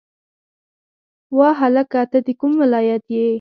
وا هلکه ته د کوم ولایت یی